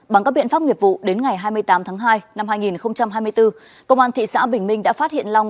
bằng các biện pháp nghiệp vụ đến ngày hai mươi tám tháng hai năm hai nghìn hai mươi bốn công an thị xã bình minh đã phát hiện long